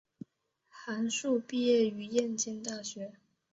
韩叙毕业于燕京大学。